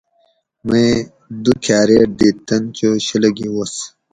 میں دو کھاریٹ دِت تن چو شلہ گی وس